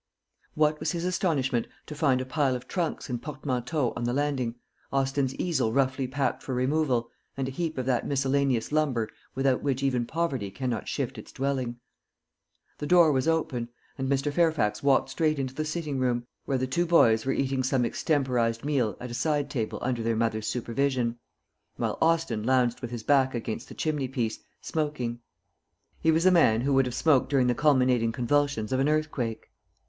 What was his astonishment to find a pile of trunks and portmanteaus on the landing, Austin's easel roughly packed for removal, and a heap of that miscellaneous lumber without which even poverty cannot shift its dwelling! The door was open; and Mr. Fairfax walked straight into the sitting room, where the two boys were eating some extemporised meal at a side table under their mother's supervision; while Austin lounged with his back against the chimney piece, smoking. He was a man who would have smoked during the culminating convulsions of an earthquake.